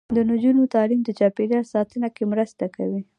د نجونو تعلیم د چاپیریال ساتنه کې مرسته کوي.